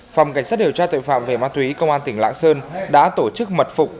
phòng cảnh sát điều tra tội phạm về ma túy công an tỉnh lạng sơn đã tổ chức mật phục